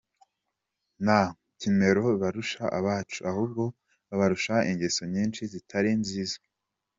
Nta kimero barusha abacu; ahubwo babarusha ingeso nyinshi zitari nziza.